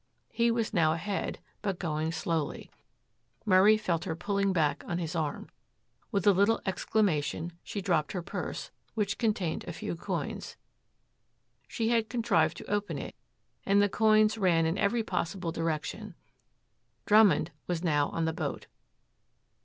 He was now ahead, but going slowly. Murray felt her pulling back on his arm. With a little exclamation she dropped her purse, which contained a few coins. She had contrived to open it, and the coins ran in every possible direction. Drummond was now on the boat.